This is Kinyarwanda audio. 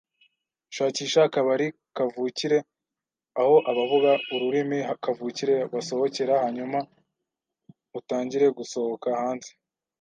shakisha akabari kavukire aho abavuga ururimi kavukire basohokera hanyuma utangire gusohoka hanze.